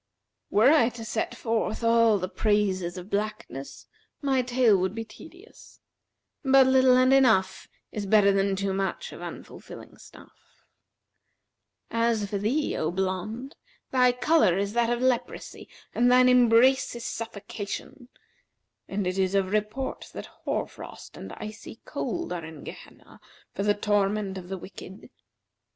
Were I to set forth all the praises of blackness, my tale would be tedious; but little and enough is better than too much of unfilling stuff. As for thee, O blonde, thy colour is that of leprosy and thine embrace is suffocation;[FN#368] and it is of report that hoar frost and icy cold[FN#369] are in Gehenna for the torment of the wicked.